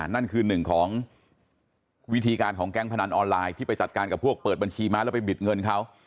นั่นคือหนึ่งของวิธีการของแก๊งพนันออนไลน์ที่ไปจัดการกับพวกเปิดบัญชีม้าแล้วไปบิดเงินเขา